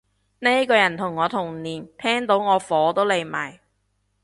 呢個人同我同年，聽到我火都嚟埋